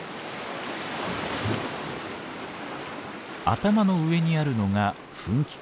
頭の上にあるのが噴気孔。